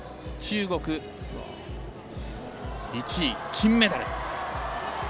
中国、１位、金メダル。